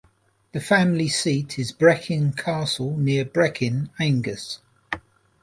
The family seat is Brechin Castle near Brechin, Angus.